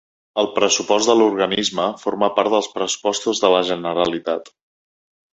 El pressupost de l'organisme forma part dels Pressupostos de la Generalitat.